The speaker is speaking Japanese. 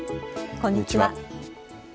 こんにちは。